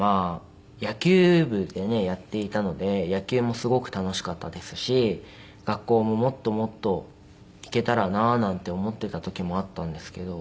野球部でねやっていたので野球もすごく楽しかったですし学校ももっともっと行けたらななんて思っていた時もあったんですけど。